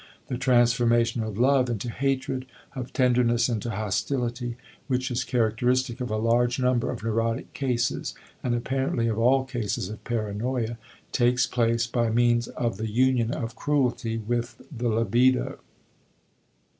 The transformation of love into hatred, of tenderness into hostility, which is characteristic of a large number of neurotic cases and apparently of all cases of paranoia, takes place by means of the union of cruelty with the libido.